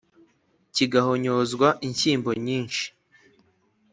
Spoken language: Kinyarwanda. kigahonyozwa inshyimbo nyinshi